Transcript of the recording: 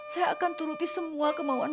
saya akan turuti semua kemauan